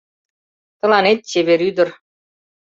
Тыланет, чевер ӱдыр.